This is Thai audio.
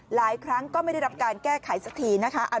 หลายครั้งก็ไม่ได้รับการแก้ไขสักทีนะคะ